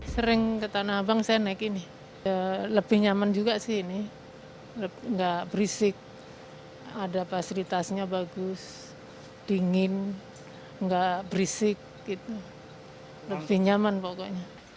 sering ke tanah abang saya naik ini lebih nyaman juga sih ini nggak berisik ada fasilitasnya bagus dingin nggak berisik gitu lebih nyaman pokoknya